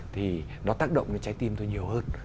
thì nó tác động đến trái tim tôi nhiều hơn